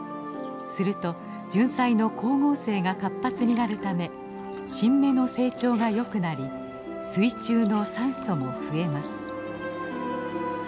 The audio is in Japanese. するとジュンサイの光合成が活発になるため新芽の成長がよくなり水中の酸素も増えます。